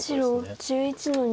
白１１の二。